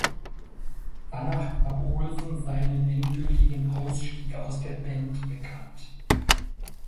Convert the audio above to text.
Danach gab Olson seinen endgültigen Ausstieg aus der Band bekannt.